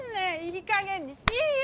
いいかげんにしいや！